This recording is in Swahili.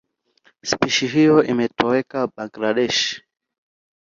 Spishi hiyo imetoweka Bangladesh.